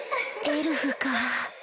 エルフか